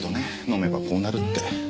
飲めばこうなるって。